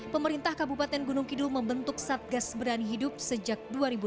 pemerintah kabupaten gunung kidul membentuk satgas berani hidup sejak dua ribu dua belas